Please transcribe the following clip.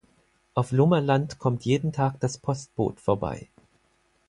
Auf Lummerland kommt jeden Tag das Postboot vorbei.